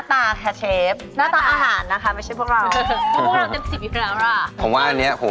พวกเราเต็มสิบอยู่กันแล้วหรือเปล่า